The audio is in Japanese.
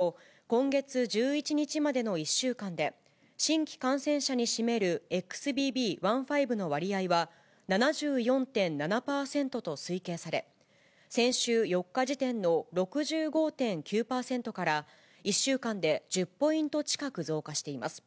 ＣＤＣ・疾病対策センターによると、今月１１日までの１週間で、新規感染者に占めるＸＢＢ．１．５の割合は、７４．７％と推計され、先週４日時点の６５．９％から、１週間で１０ポイント近く増加しています。